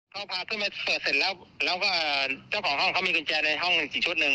ก็พาขึ้นไปเปิดเสร็จแล้วแล้วก็เจ้าของห้องเขามีกุญแจในห้องอีกชุดหนึ่ง